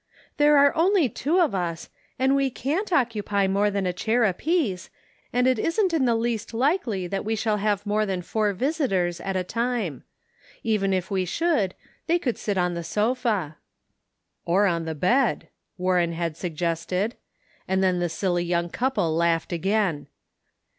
" There are only two of us, and we can't occupy more than a chair apiece, and it isn't in the least likely that we shall have more than four visitors at a time. Even if we should, they could sit on the sofa." " Or the bed," Warren had suggested ; and then the silly young couple laughed again.